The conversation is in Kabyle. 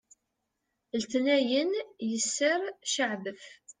letniyen yesser ceɛbet